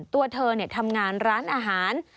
ตัวเธอทำงานร้านอาหาร